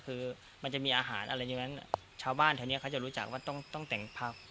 คือมันจะมีอาหารอะไรอย่างนั้นชาวบ้านแถวนี้เขาจะรู้จักว่าต้องแต่งภาพ